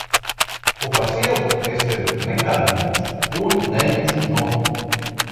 Un par sievu es tevi nekad neņemšu un neņemšu, nu!